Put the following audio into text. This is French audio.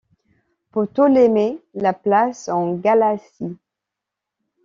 Ptolémée la place en Galatie.